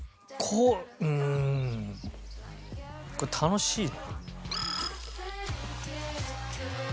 これ楽しい。